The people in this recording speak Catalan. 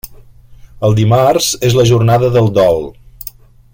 El Dimarts és la jornada del Dol.